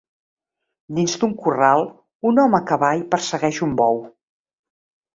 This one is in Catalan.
Dins d'un corral un home a cavall persegueix un bou.